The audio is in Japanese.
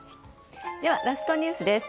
ラストニュースです。